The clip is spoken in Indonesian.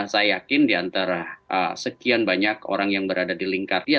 saya yakin di antara sekian banyak orang yang berada di lingkar dia